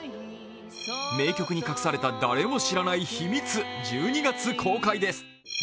名曲に隠された誰も知らない秘密、１２月公開です。